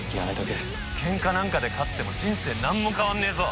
けんかなんかで勝っても人生何も変わんねえぞ。